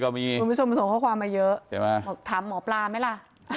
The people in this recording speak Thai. ก็มีข้อความมาเยอะแบบถามหมอปลาไหมล่ะ